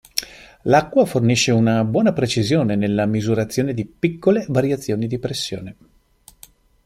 L'acqua fornisce una buona precisione nella misurazione di piccole variazioni di pressione.